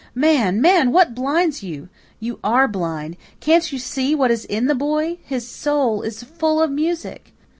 Man, man, what blinds you? You ARE blind. Can't you see what is in the boy? His soul is full of music.